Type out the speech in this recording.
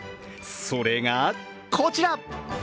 それがこちら。